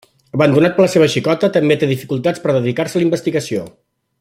Abandonat per la seva xicota, també té dificultats per dedicar-se a la investigació.